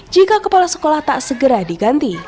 jika kepala sekolah tak segera diganti